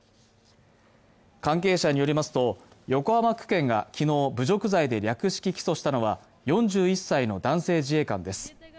関係者によりますと、横浜区検が昨日、侮辱罪で略式起訴したのは、４１歳の男性自衛官です。